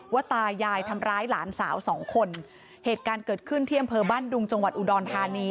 ตายายทำร้ายหลานสาวสองคนเหตุการณ์เกิดขึ้นที่อำเภอบ้านดุงจังหวัดอุดรธานี